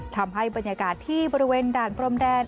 ทำให้บรรยากาศที่บริเวณด่านพรมแดน